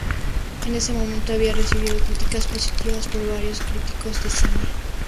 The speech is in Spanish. En ese momento, había recibido críticas positivas por varios críticos de cine.